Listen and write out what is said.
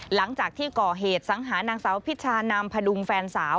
หลังจากที่ก่อเหตุสังหานางสาวพิชานามพดุงแฟนสาว